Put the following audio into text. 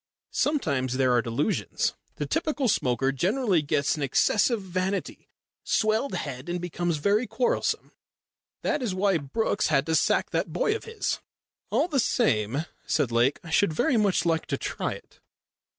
Sometimes there are delusions. The typical smoker generally gets an excessive vanity swelled head and becomes very quarrelsome. That is why Brookes had to sack that boy of his." "All the same," said Lake, "I should very much like to try it."